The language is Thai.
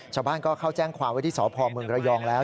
ชาวบ้านก็เข้าแจ้งความไว้ที่สพเมืองระยองแล้ว